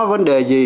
vấn đề gì